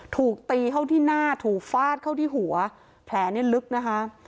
ถูกตีเข้าที่หน้าถูกฟาดเข้าที่หัวแผลเนี่ยลึกนะคะ